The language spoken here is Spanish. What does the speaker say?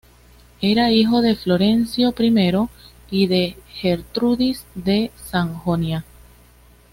Era hijo de Florencio I, y de Gertrudis de Sajonia.